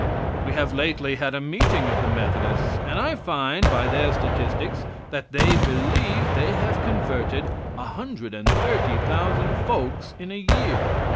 We have lately had a meeting of the Methodists, and I find, by their statistics, that they believe they have converted 130,000 folks in a year.